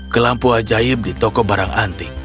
ke lampu ajaib di toko barang antik